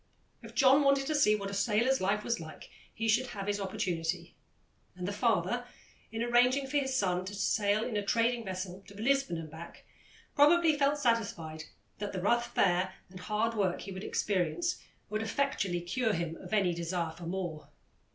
If John wanted to see what a sailor's life was like, he should have his opportunity, and the father, in arranging for his son to sail in a trading vessel to Lisbon and back, probably felt satisfied that the rough fare and hard work he would experience would effectually cure him of any desire for more.